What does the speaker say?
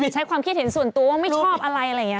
ใช้ความคิดเห็นส่วนตัวว่าไม่ชอบอะไรอะไรอย่างนี้